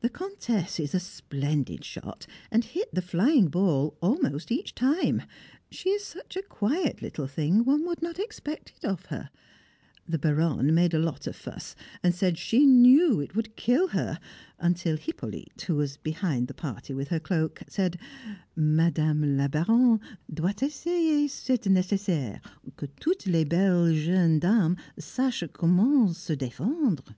The Comtesse is a splendid shot, and hit the flying ball almost each time; she is such a quiet little thing, one would not expect it of her. The Baronne made a lot of fuss, and said she knew it would kill her, until Hippolyte, who was behind the party with her cloak, said: "Madame la Baronne doit essayer c'est nécessaire que toutes les belles jeunes dames sachent comment se défendre."